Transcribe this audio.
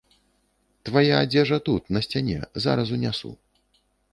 Твая адзежа тут, на сцяне, зараз унясу.